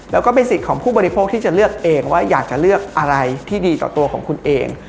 แล้วก็เป็นสิทธิ์ของผู้บริโภคที่จะเลือกเองว่าอยากจะเลือกอะไรที่ดีต่อตัวของคุณเอง